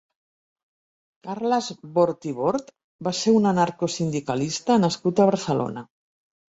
Carles Bort i Bort va ser un anarcosindicalista nascut a Barcelona.